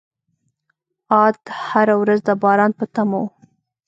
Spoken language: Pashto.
عاد هره ورځ د باران په تمه وو.